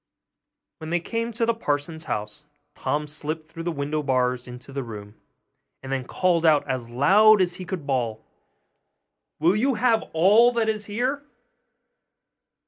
When they came to the parson's house, Tom slipped through the window bars into the room, and then called out as loud as he could bawl, 'Will you have all that is here?